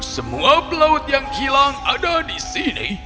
semua pelaut yang hilang ada di sini